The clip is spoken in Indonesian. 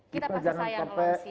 kita jangan sampai